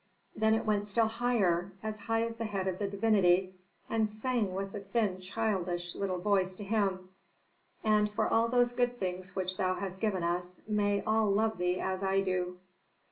Then it went still higher, as high as the head of the divinity, and sang with the thin, childish little voice to him: "And for those good things which thou hast given us may all love thee as I do."